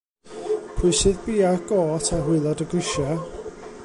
Pwy sydd bia'r gôt ar waelod y grisia?